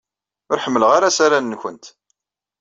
Ur ḥemmleɣ ara asaran-nwent.